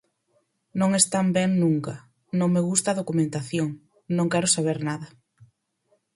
Non están ben nunca, non me gusta a documentación, non quero saber nada.